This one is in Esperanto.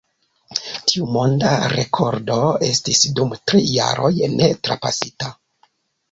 Tiu monda rekordo estis dum tri jaroj ne trapasita.